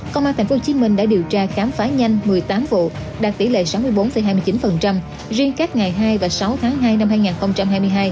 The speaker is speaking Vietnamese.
công an tp hcm đã điều tra khám phá nhanh một mươi tám vụ đạt tỷ lệ sáu mươi bốn hai mươi chín riêng các ngày hai và sáu tháng hai năm hai nghìn hai mươi hai